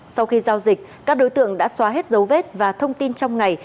sau khi giao dịch các đối tượng đã xóa hết dấu vết và thông tin trong ngày